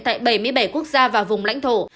tại bảy mươi bảy quốc gia và vùng lãnh thổ